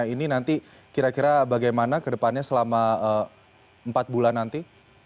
ini nanti kira kira bagaimana ke depannya selama empat bulan nanti